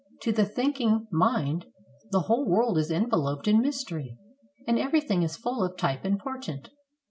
To the thinking mind the whole world is enveloped in mystery, and everything is full of type and portent.